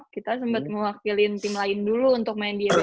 kita sempet mewakilin tim lain dulu untuk main di yba